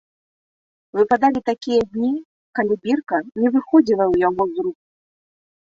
Выпадалі такія дні, калі бірка не выходзіла ў яго з рук.